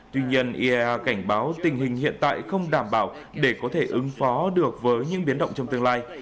tuy nhiên iea cảnh báo tình hình hiện tại không đảm bảo để có thể ứng phó được với những biến động trong tương lai